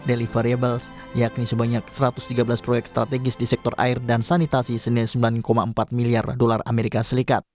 deli variables yakni sebanyak satu ratus tiga belas proyek strategis di sektor air dan sanitasi senilai sembilan empat miliar dolar as